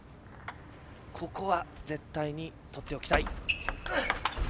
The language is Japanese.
ここは絶対に取っておきたい。